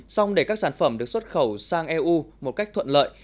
xong để các sản phẩm được xuất khẩu sang eu một cách thuận lợi